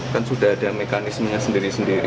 kan sudah ada mekanismenya sendiri sendiri